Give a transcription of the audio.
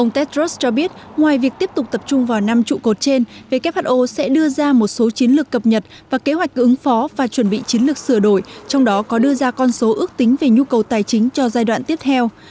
ông tedros cho biết ngoài việc tiếp tục tập trung vào năm trụ cột trên who sẽ đưa ra một số chiến lược cập nhật và kế hoạch ứng phó và chuẩn bị chiến lược sửa đổi trong đó có đưa ra con số ước tính về nhu cầu tài chính cho giai đoạn tiếp theo